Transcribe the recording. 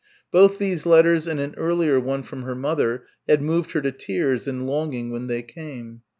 Both these letters and an earlier one from her mother had moved her to tears and longing when they came.